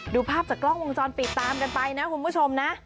ดูภาพจากกล้องวงจรปิดตามกันไปนะคุณผู้ชมนะ